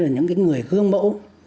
những cái người gương mẫu